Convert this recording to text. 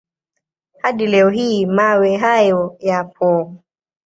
Hadi leo hii mawe hayo yapo.